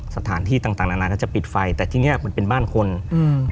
สถานที่ต่างต่างนานาก็จะปิดไฟแต่ที่เนี้ยมันเป็นบ้านคนอืม